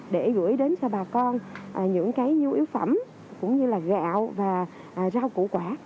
để gửi đến cho bà con những cái nhu yếu phẩm cũng như là gạo và rau củ quả